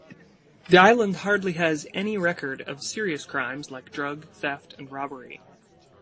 The island hardly has any record of serious crimes like drug, theft and robbery.